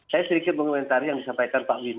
saya sedikit mau komentari yang disampaikan pak windu